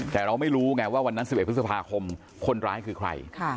แต่เราไม่รู้ไงว่าวันนั้น๑๑พฤษภาคมคนร้ายคือใคร